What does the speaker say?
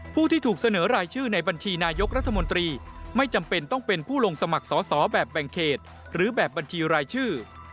ผู้ที่ถูกเสนอรายชื่อในบัญชีนายกรัฐมนตรีไม่จำเป็นต้องเป็นผู้ลงสมัครสอสอแบบแบ่งเขตหรือแบบบัญชีรายชื่อ